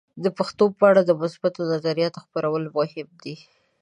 د پښتو په اړه د مثبتو نظریاتو خپرول مهم دي.